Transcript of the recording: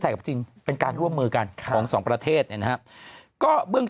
ไทยกับจริงเป็นการร่วมมือกันของ๒ประเทศนะครับก็เบื้อง